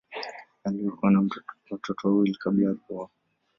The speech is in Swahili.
Aliwahi kuwa na watoto wawili kabla ya kuoa.